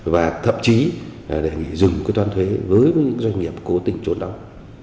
và thậm chí để dừng quyết toán thuế với những doanh nghiệp cố tình trốn đóng